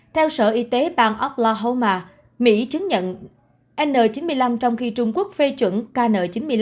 theo sở y tế bang okla homa mỹ chứng nhận n chín mươi năm trong khi trung quốc phê chuẩn kn chín mươi năm